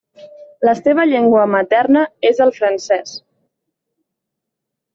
La seva llengua materna és el francès.